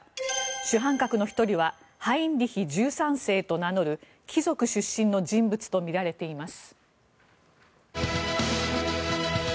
主犯格の１人はハインリヒ１３世と名乗る貴族出身の人物とみられています。